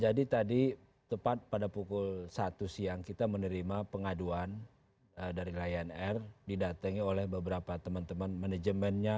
jadi tadi tepat pada pukul satu siang kita menerima pengaduan dari lion air didatangi oleh beberapa teman teman manajemennya